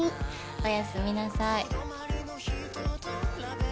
おやすみなさい。